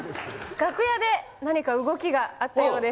楽屋で何か動きがあったようです。